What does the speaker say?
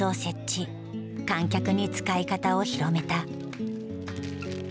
観客に使い方を広めた。